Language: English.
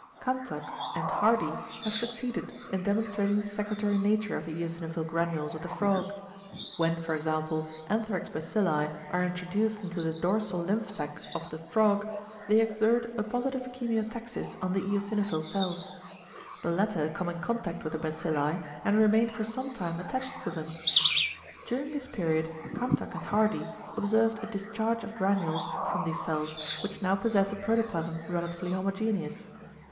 Kanthack and Hardy have succeeded in demonstrating the secretory nature of the eosinophil granules of the frog. When, for example, anthrax bacilli are introduced into the dorsal lymph sac of the frog they exert a positive chemiotaxis on the eosinophil cells. The latter come in contact with the bacilli, and remain for some time attached to them. During this period Kanthack and Hardy observed a discharge of granules from these cells, which now possess a protoplasm relatively homogeneous.